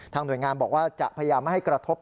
หน่วยงานบอกว่าจะพยายามไม่ให้กระทบ